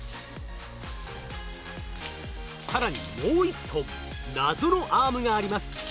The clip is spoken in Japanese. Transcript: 更にもう１本謎のアームがあります。